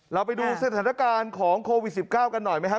เราไปดูสถานการณ์ของโควิด๑๙กันหน่อยไหมครับ